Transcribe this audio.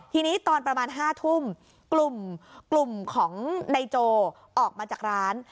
ทีนี้ตอนประมาณ๕ทุ่มกลุ่มของนายโจออกมาจากร้าน